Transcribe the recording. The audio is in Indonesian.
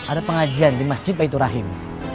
ada pengajian di masjid baitur rahim